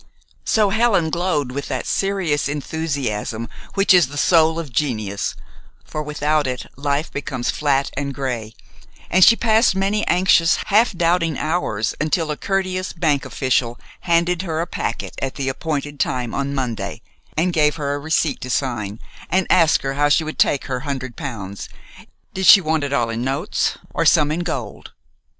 So Helen glowed with that serious enthusiasm which is the soul of genius, for without it life becomes flat and gray, and she passed many anxious, half doubting hours until a courteous bank official handed her a packet at the appointed time on Monday, and gave her a receipt to sign, and asked her how she would take her hundred pounds did she want it all in notes or some in gold?